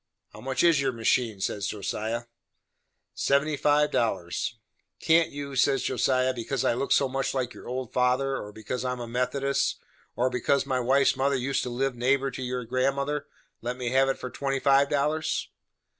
"How much is your machine?" says Josiah. "75 dollars." "Can't you," says Josiah, "because I look so much like your old father, or because I am a Methodist, or because my wife's mother used to live neighbor to your grandmother let me have it for 25 dollars?"